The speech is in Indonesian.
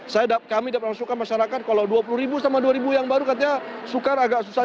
saya kami dapat suka masyarakat kalau dua puluh ribu sama dua ribu yang baru katanya sukar agak susah